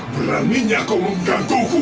beraninya kau menggantuku